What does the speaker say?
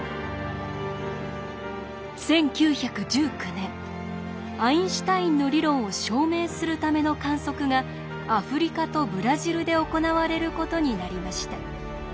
１９１９年アインシュタインの理論を証明するための観測がアフリカとブラジルで行われることになりました。